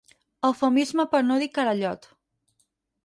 Eufemisme per no dir carallot.